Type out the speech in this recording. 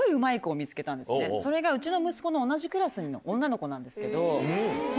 それがうちの息子の同じクラスの女の子なんですけど。